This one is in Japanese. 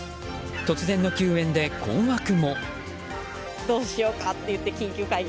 突然の休園で困惑も。